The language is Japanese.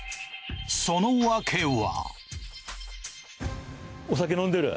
その訳は。